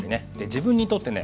自分にとってね